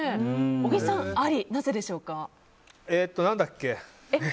小木さん、ありなぜでしょうか。